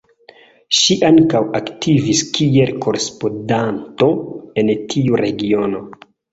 Ŝi ankaŭ aktivis kiel korespondanto en tiu regiono.